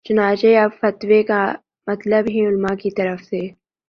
چنانچہ اب فتوے کا مطلب ہی علما کی طرف سے